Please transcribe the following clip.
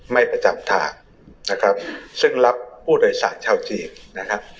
ไม่ประจำทางนะครับซึ่งรับผู้โดยสารชาวจีนนะครับ